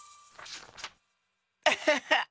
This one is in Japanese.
アハハッ！